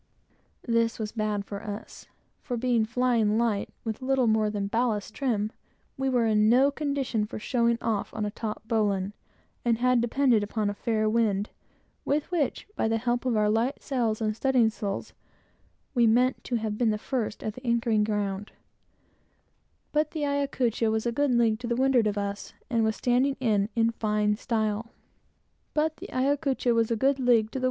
This was bad for us, for, being "flying light," with little more than ballast trim, we were in no condition for showing off on a taut bowline, and had depended upon a fair wind, with which, by the help of our light sails and studding sails, we meant to have been the first at the anchoring ground; but the Ayacucho was a good league to windward of us, and was standing in, in fine style.